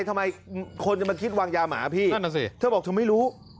ทำไมคนจะมาคิดวางยาหมาพี่นั่นน่ะสิเธอบอกเธอไม่รู้